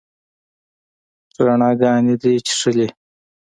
روڼاګاني دي چیښلې